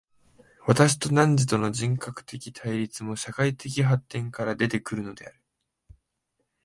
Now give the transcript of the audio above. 私と汝との人格的対立も、社会的発展から出て来るのである。